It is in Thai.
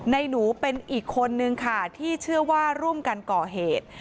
หนูเป็นอีกคนนึงค่ะที่เชื่อว่าร่วมกันก่อเหตุ